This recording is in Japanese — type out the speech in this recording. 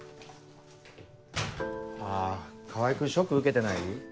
あ川合君ショック受けてない？